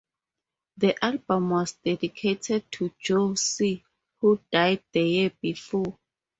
The album was dedicated to Joe C., who died the year before.